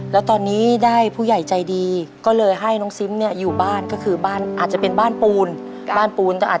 แล้วตอนนี้ได้ผู้ใหญ่ใจดีก็เลยให้น้องซิมเนี่ยอยู่บ้านก็คือบ้านอาจจะเป็นบ้านปูนบ้านปูน